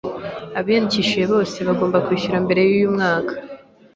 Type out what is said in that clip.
Abiyandikishije bose bagomba kwishyurwa mbere yuyu mwaka.